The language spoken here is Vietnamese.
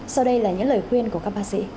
sau đây là những lời khuyên của các bác sĩ